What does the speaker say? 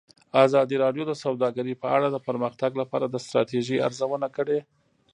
ازادي راډیو د سوداګري په اړه د پرمختګ لپاره د ستراتیژۍ ارزونه کړې.